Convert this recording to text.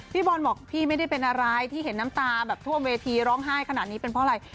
พี่บอลบอกพี่ไม่ได้เป็นอะไรที่เห็นน้ำตาแบบท่วมเวทีร้องไห้ขนาดนี้เป็นเพราะอะไร